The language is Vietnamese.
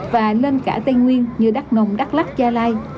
và lên cả tây nguyên như đắk nông đắk lắc gia lai